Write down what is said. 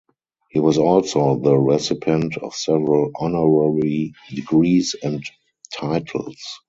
He was also the recipient of several honorary degrees and titles.